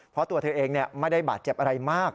เพราะตัวเธอเองไม่ได้บาดเจ็บอะไรมาก